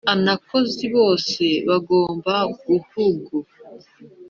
Anakozi bose bagomba guhugu